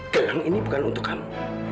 bilang ini bukan untuk kamu